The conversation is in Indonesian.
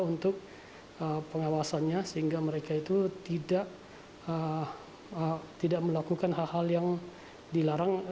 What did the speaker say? untuk pengawasannya sehingga mereka itu tidak melakukan hal hal yang dilarang